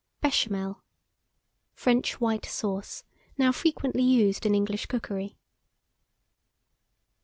BÉCHAMEL. French white sauce, now frequently used in English cookery.